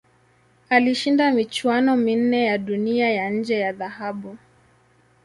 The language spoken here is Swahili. Alishinda michuano minne ya Dunia ya nje ya dhahabu.